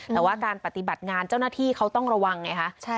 แต่ว่าการปฏิบัติงานเจ้าหน้าที่เขาต้องระวังไงคะ